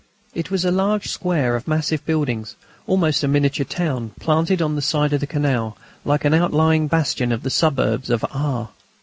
It was a large square of massive buildings, almost a miniature town, planted on the side of the canal, like an outlying bastion of the suburbs of R.